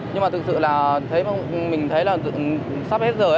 nhưng mà thực sự là mình thấy là sắp hết rồi